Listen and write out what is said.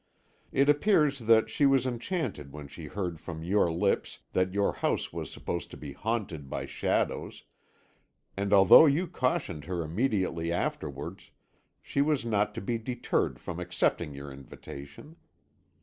It appears that she was enchanted when she heard from your lips that your house was supposed to be haunted by shadows, and although you cautioned her immediately afterwards, she was not to be deterred from accepting your invitation.